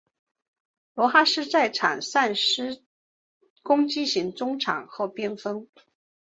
罗哈斯在场上司职攻击型中场或边锋。